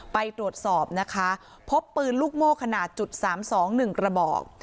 ไปตรวจสอบพบปืนลูกโม้ขนาด๓๒๑กระบอก